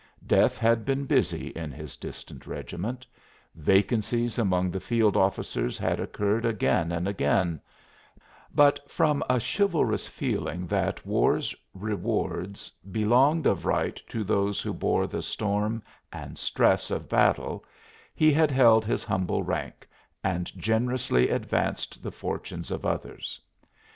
Death had been busy in his distant regiment; vacancies among the field officers had occurred again and again; but from a chivalrous feeling that war's rewards belonged of right to those who bore the storm and stress of battle he had held his humble rank and generously advanced the fortunes of others.